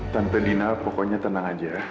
tante dina pokoknya tenang aja